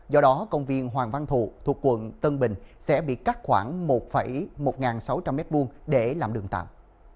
do đó công viên hoàng văn thụ thuộc quận tân bình sẽ bị cắt khoảng một một sáu trăm linh m hai để làm đường tạm